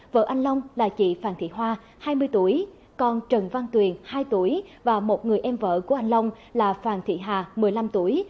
vợ anh long là chị phan thị hoa hai mươi tuổi con trần văn tuyền hai tuổi và một người em vợ của anh long là phàng thị hà một mươi năm tuổi